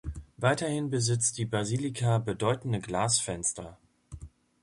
Weiterhin besitzt die Basilika bedeutende Glasfenster.